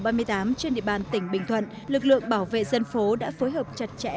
nghị định số ba mươi tám trên địa bàn tỉnh bình thuận lực lượng bảo vệ dân phố đã phối hợp chặt chẽ